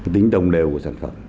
tính đồng đều của sản phẩm